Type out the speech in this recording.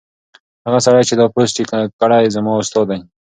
هغه سړی چې دا پوسټ یې کړی زما استاد دی.